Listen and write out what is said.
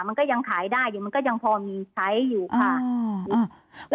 มันก็ยังขายได้อยู่มันก็ยังพอมีใช้อยู่ค่ะ